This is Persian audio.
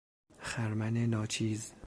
خرمن ناچیز